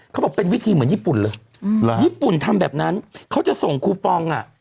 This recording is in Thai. เขาบอกเป็นวิธีเหมือนญี่ปุ่นเลยญี่ปุ่นทำแบบนั้นเขาจะส่งคูปองอ่ะ